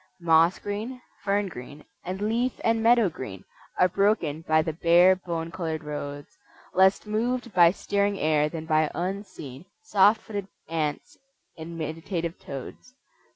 Moss green, fern green and leaf and meadow green Are broken by the bare, bone colored roads, Less moved by stirring air than by unseen Soft footed ants and meditative toads.